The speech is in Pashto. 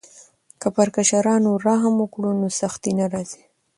که پر کشرانو رحم وکړو نو سختي نه راځي.